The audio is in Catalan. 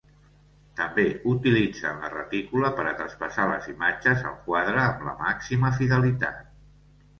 També utilitzen la retícula per a traspassar les imatges al quadre amb la màxima fidelitat.